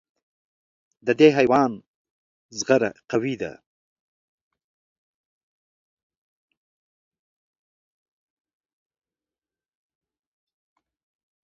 د دې حیوان زغره قوي ده.